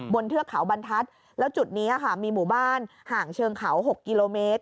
เทือกเขาบรรทัศน์แล้วจุดนี้ค่ะมีหมู่บ้านห่างเชิงเขา๖กิโลเมตร